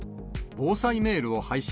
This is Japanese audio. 防災メールを配信。